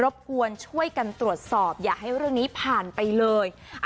บกวนช่วยกันตรวจสอบอย่าให้เรื่องนี้ผ่านไปเลย